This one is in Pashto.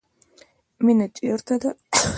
مینه چیرته ده؟